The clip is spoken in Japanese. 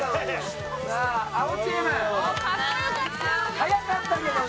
速かったけどね。